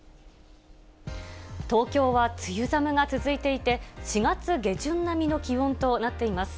東京は梅雨寒が続いていて、４月下旬並みの気温となっています。